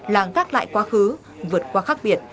là ngác lại quá khứ vượt qua khác biệt